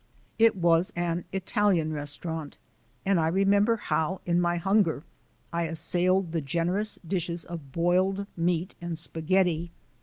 It was an Italian restaurant, and I remember how, in my hunger, I assailed the generous dishes of boiled meat and spaghetti.